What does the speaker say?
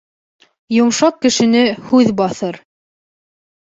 Йомшаҡ кешене һүҙ баҫыр.